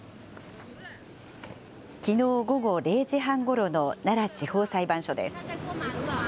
きのう午後０時半ごろの奈良地方裁判所です。